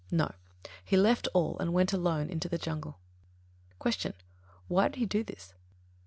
No. He left all and went alone into the jungle. 27. Q. _Why did he do this?